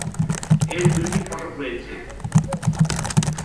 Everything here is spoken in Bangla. এর দুইটি ফটক রয়েছে।